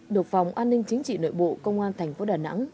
được phòng an ninh chính trị nội bộ công an thành phố đà nẵng